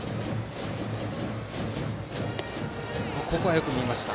よく見ました。